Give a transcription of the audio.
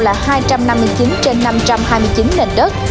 là hai trăm năm mươi chín trên năm trăm hai mươi chín nền đất